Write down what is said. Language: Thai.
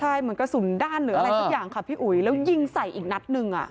ใช่เหมือนกระสุนด้านหรืออะไรสักอย่างค่ะพี่อุ๋ยแล้วยิงใส่อีกนัดหนึ่งอ่ะ